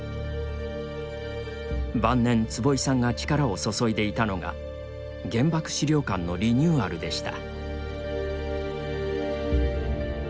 晩年、坪井さんが力を注いでいたのが原爆資料館のリニューアルでした。